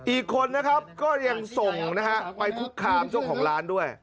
อีกคนนะครับก็ยังส่งนะฮะไปคุกคามเจ้าของร้านด้วย